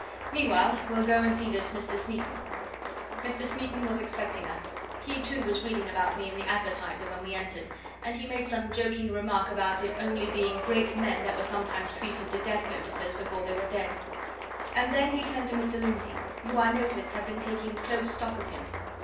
Meanwhile, well go and see this Mr. Smeaton." Mr. Smeaton was expecting us he, too, was reading about me in the Advertiser when we entered, and he made some joking remark about it only being great men that were sometimes treated to death notices before they were dead. And then he turned to Mr. Lindsey, who I noticed had been taking close stock of him.